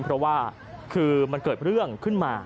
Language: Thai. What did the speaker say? เพราะว่าคือมันเกิดเรื่องขึ้นมา